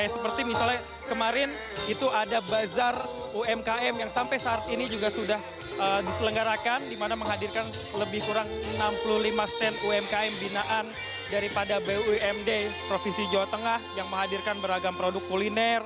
seperti misalnya kemarin itu ada bazar umkm yang sampai saat ini juga sudah diselenggarakan di mana menghadirkan lebih kurang enam puluh lima stand umkm binaan daripada bumd provinsi jawa tengah yang menghadirkan beragam produk kuliner